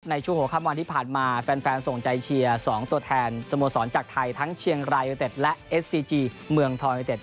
ในช่วงหัวข้ามวันที่ผ่านมาแฟนส่งใจเชียร์๒ตัวแทนสโมสรจากไทยทั้งเชียงรายยูเต็ดและเอสซีจีเมืองทอยเต็ด